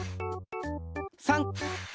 ３！